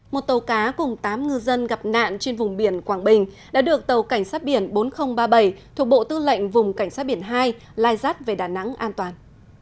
một tàu cá cùng tám ngư dân gặp nạn trên vùng biển quảng bình đã được tàu cảnh sát biển bốn nghìn ba mươi bảy thuộc bộ tư lệnh vùng cảnh sát biển hai lai rát về đà nẵng an toàn